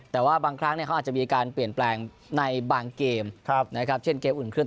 แต่ว่าบางครั้งเขาอาจจะมีการเปลี่ยนแปลงในบางเกมเช่นเกมอุ่นเครื่อง